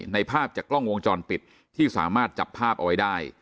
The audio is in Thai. ภาพจากกล้องวงจรปิดที่สามารถจับภาพเอาไว้ได้